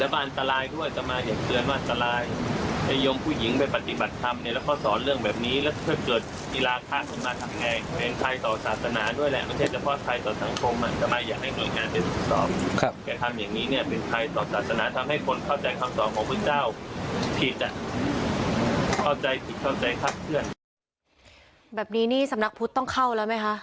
แบบนี้นี่สำนักพุทธต้องเข้าแล้วไหมคะ